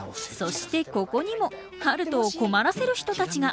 そしてここにも春風を困らせる人たちが！